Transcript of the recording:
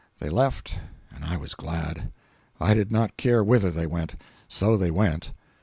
They left and I was glad. I did not care whither they went, so they went.